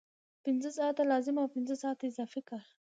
پنځه ساعته لازم او پنځه ساعته اضافي کار دی